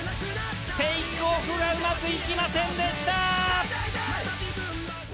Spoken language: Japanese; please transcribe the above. テイクオフがうまくいきませんでした！